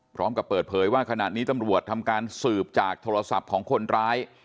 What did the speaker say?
พร้อมกับเปิดเผยว่าขณะนี้ตำรวจทำการสืบจากโทรศัพท์ของคนร้าย